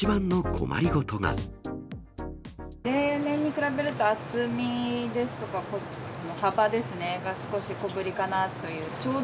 例年に比べると、厚みですとか、幅ですね、が少し小ぶりかなという。